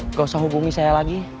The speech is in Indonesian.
nggak usah hubungi saya lagi